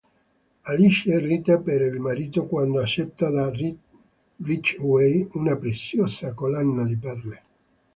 Alice irrita però il marito quando accetta da Ridgeway una preziosa collana di perle.